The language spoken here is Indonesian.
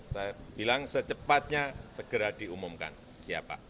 saya bilang secepatnya segera diumumkan siapa